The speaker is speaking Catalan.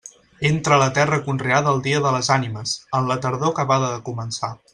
Entra a la terra conreada el dia de les Ànimes, en la tardor acabada de començar.